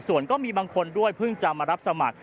ส่วนก็มีบางคนด้วยเพิ่งจะมารับสมัคร